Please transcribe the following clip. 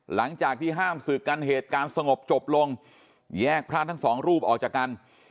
หลังจากที่ห้ามศึกกันเหตุการณ์สงบจบลงแยกพระทั้งสองรูปออกจากกัน